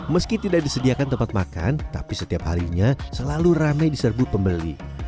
meski tidak disediakan tempat makan tapi setiap harinya selalu ramai diserbu pembeli